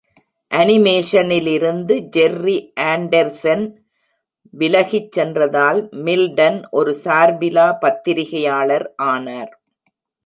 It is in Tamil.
அனிமேஷனிலிருந்து ஜெர்ரி ஆன்டர்சென் விலகிச் சென்றதால், மில்டன் ஒரு சார்பிலா பத்திரிகையாளர் ஆனார்.